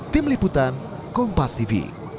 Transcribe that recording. tim liputan kompas tv